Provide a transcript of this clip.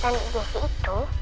tanyan jesse itu